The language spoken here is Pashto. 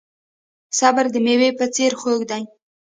صبر د میوې په څیر خوږ دی.